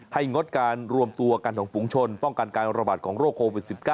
งดการรวมตัวกันของฝุงชนป้องกันการระบาดของโรคโควิด๑๙